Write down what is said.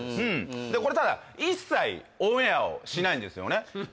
これただ一切オンエアをしないんですよね